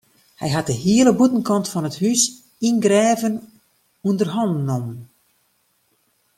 Hy hat de hiele bûtenkant fan it hús yngreven ûnder hannen nommen.